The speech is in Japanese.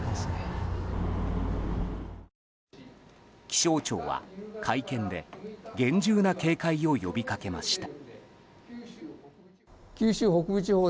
気象庁は会見で厳重な警戒を呼びかけました。